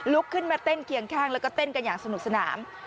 ขึ้นมาเต้นเคียงข้างแล้วก็เต้นกันอย่างสนุกสนาน